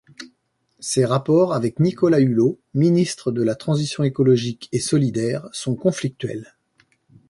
Ses rapports avec Nicolas Hulot, ministre de la Transition écologique et solidaire, sont conflictuels.